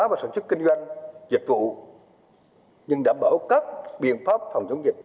và sản xuất kinh doanh dịch vụ nhưng đảm bảo các biện pháp phòng chống dịch